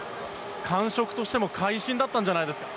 感触としても会心だったんじゃないですか？